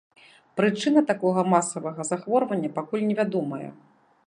Прычына такога масавага захворвання пакуль невядомая.